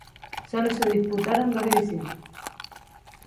Solo se disputaron dos ediciones.